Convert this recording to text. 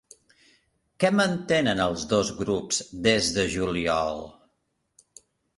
Què mantenen els dos grups des de juliol?